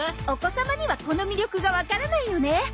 お子様にはこの魅力がわからないのね